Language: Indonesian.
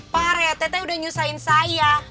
pak rete udah nyusahin saya